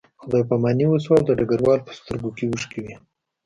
خدای پاماني وشوه او د ډګروال په سترګو کې اوښکې وې